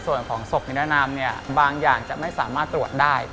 ส่วนศพนิดนาตาล่ะ